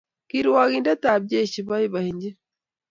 ki rwoindetab jeshi babaenyin.